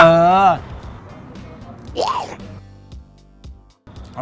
เออ